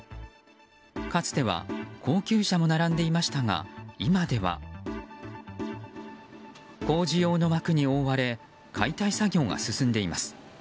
かつては高級車も並んでいましたが、今では工事用の幕に覆われ解体作業が進んでいます。